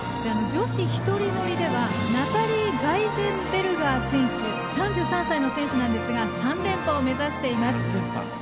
女子１人乗りではナタリー・ガイゼンベルガー選手３３歳の選手なんですが３連覇を目指します。